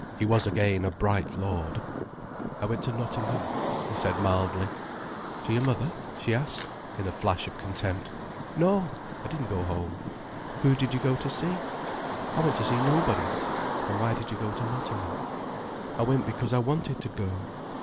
He was again a bright lord. "I went to Nottingham," he said mildly. "To your mother?" she asked, in a flash of contempt. "No—I didn't go home." "Who did you go to see?" "I went to see nobody." "Then why did you go to Nottingham?" "I went because I wanted to go."